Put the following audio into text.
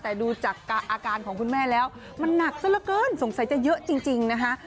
แต่ดูจากอาการของคุณแม่แล้วมันหนักซะละเกินสงสัยจะเยอะจริงนะคะ